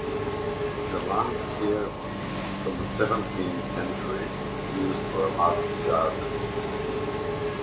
The land here was, from the seventeenth century, used for a market garden.